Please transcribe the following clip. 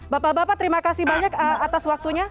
bapak bapak terima kasih banyak atas waktunya